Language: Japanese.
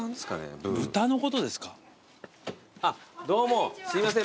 あっどうもすいません